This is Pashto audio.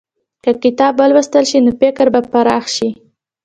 که کتاب ولوستل شي، نو فکر به پراخ شي.